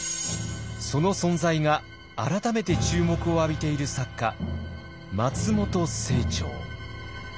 その存在が改めて注目を浴びている作家松本清張。